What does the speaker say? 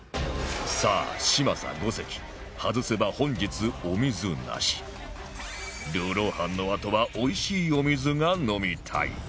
さあ嶋佐五関外せば本日お水なしルーロー飯のあとはおいしいお水が飲みたい！